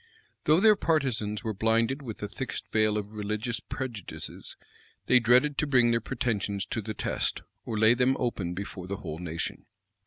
Though their partisans were blinded with the thickest veil of religious prejudices, they dreaded to bring their pretensions to the test, or lay them open before the whole nation.